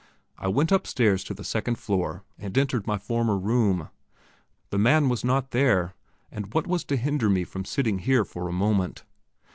I went upstairs to the second floor, and entered my former room. The man was not there, and what was to hinder me from sitting here for a moment?